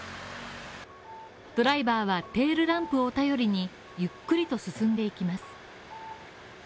ドライバーはテールランプを頼りに、ゆっくりと進んでいきます。